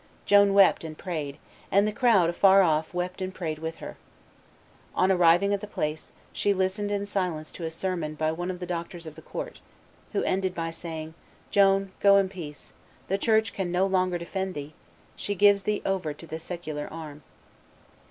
Joan wept and prayed; and the crowd, afar off, wept and prayed with her. On arriving at the place, she listened in silence to a sermon by one of the doctors of the court, who ended by saying, "Joan, go in peace; the Church can no longer defend thee; she gives thee over to the secular arm."